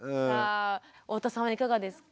太田さんはいかがですか？